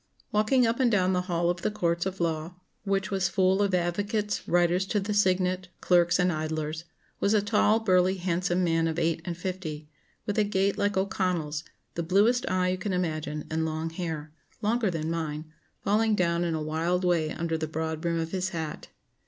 ] "Walking up and down the hall of the courts of law (which was full of advocates, writers to the signet, clerks, and idlers), was a tall, burly, handsome man of eight and fifty, with a gait like O'Connell's, the bluest eye you can imagine, and long hair longer than mine falling down in a wild way under the broad brim of his hat.